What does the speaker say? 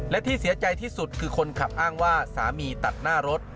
และที่เสียใจที่สุดคือคนขับอ้างว่าสามีตัดหน้ารถ